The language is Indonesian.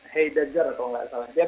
heidegger atau nggak salah